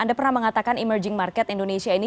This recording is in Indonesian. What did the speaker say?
anda pernah mengatakan emerging market indonesia ini